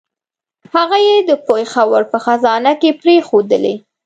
هغه یې د پېښور په خزانه کې پرېښودلې.